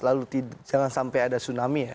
lalu jangan sampai ada tsunami ya